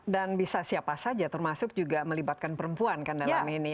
dan bisa siapa saja termasuk juga melibatkan perempuan kan dalam ini